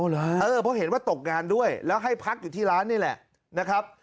เพราะเห็นว่าตกงานด้วยแล้วให้พักอยู่ที่ร้านนี่แหละนะครับ